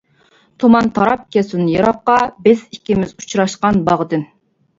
تۇمان تاراپ كەتسۇن يىراققا، بىز ئىككىمىز ئۇچراشقان باغدىن.